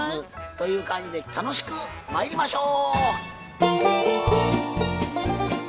という感じで楽しくまいりましょう！